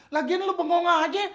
lagian lo bengonga aja